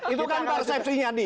itu kan persepsinya nih